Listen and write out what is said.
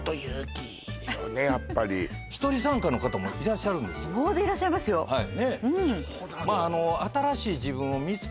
やっぱり１人参加の方もいらっしゃるんです大勢いらっしゃいますよそうなの？